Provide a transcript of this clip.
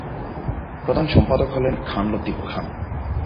প্রধান সম্পাদক হলেন খান লতিফ খান।